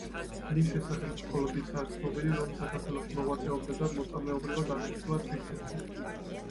მის შესახებ მხოლოდ ისაა ცნობილი, რომ საქართველოში მოღვაწეობდა და მოწამეობრივად აღესრულა ქრისტესთვის.